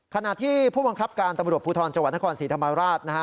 ขณะที่ผู้บังคับการตำรวจภูทรจนครศรีธรรมราช